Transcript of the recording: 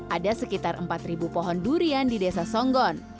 ada sekitar empat pohon durian di desa songgon